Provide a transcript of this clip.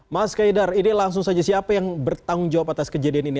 mas kaidar ini langsung saja siapa yang bertanggung jawab atas kejadian ini